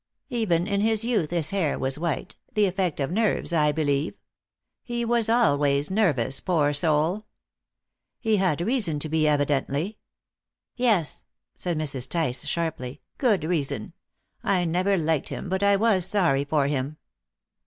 Even in his youth his hair was white the effect of nerves, I believe. He was always nervous, poor soul!" "He had reason to be, evidently." "Yes," said Mrs. Tice sharply, "good reason. I never liked him, but I was sorry for him."